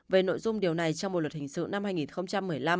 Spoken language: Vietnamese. về nội dung điều này trong bộ luật hình sự năm hai nghìn một mươi năm